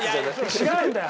違うんだよ。